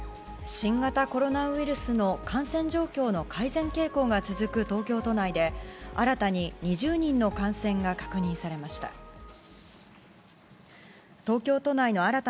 新型コロナウイルスの感染状況の改善傾向が続く東京都内で新たに２０人の感染が確認されました。